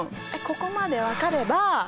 ここまで分かれば。